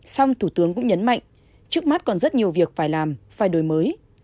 song thủ tướng cũng nhấn mạnh trước mắt còn rất nhiều việc phải làm phải đổi mới